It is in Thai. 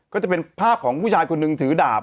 ก็จะเป็นภาพของผู้ชายคนหนึ่งถือดาบ